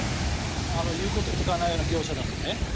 言うことを聞かないような業者だとね。